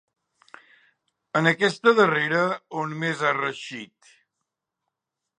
En aquesta darrera on més ha reeixit.